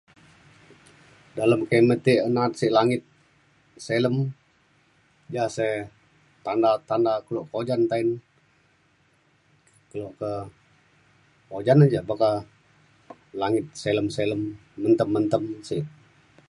dalem kimet e na’at sek langit silem ja sek tanda tanda kelo kujan ta’en kelo ke ujan na ja buk ka langit silem silem mentem mentem sek